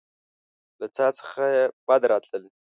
له څاه څخه يې بد راتلل.